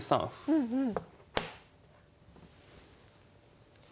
うんうん。